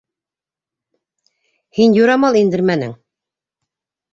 Һин юрамал индермәнең!